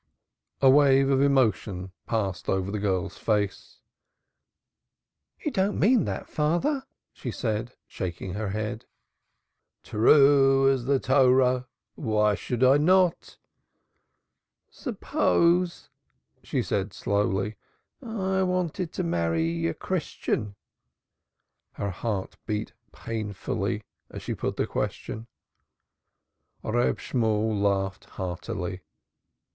A wave of emotion passed over the girl's face. "You don't mean that, father," she said, shaking her head. "True as the Torah! Why should I not?" "Suppose," she said slowly, "I wanted to marry a Christian?" Her heart beat painfully as she put the question. Reb Shemuel laughed heartily.